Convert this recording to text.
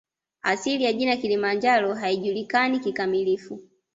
Asili ya jina Kilimanjaro haijulikani kikamilifu